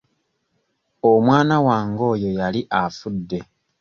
Omwana wange oyo yali afudde.